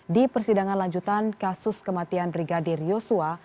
di persidangan lanjutan kasus kematian brigadir yosua